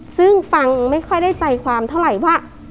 ซึ่งฟังไม่ค่อยได้ใจความเท่าไหร่ว่า